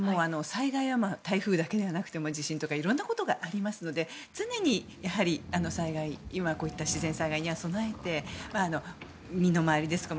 災害は台風だけではなくて地震とか色々なことがありますので常に災害今、こういった自然災害に備えて身の回りですとか